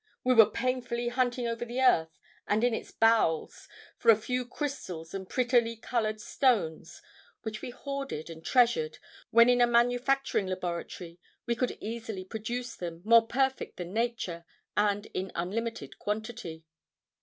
We were painfully hunting over the earth, and in its bowels, for a few crystals and prettily colored stones which we hoarded and treasured, when in a manufacturing laboratory we could easily produce them, more perfect than nature, and in unlimited quantity.